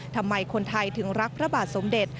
ทำไมคนไทยถึงรักพระบาทสมเด็จ